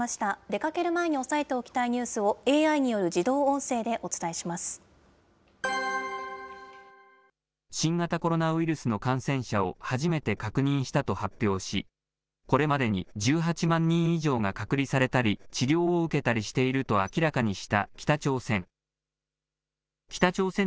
出かける前に押さえておきたいニュースを、ＡＩによる自動音声で新型コロナウイルスの感染者を初めて確認したと発表し、これまでに１８万人以上が隔離されたり、治療を受けたりしていると明らかにした北朝鮮。